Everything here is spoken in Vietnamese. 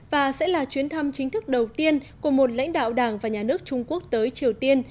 và sẽ là chuyến thăm chính thức đầu tiên của một lãnh đạo đảng và nhà nước trung quốc tới triều tiên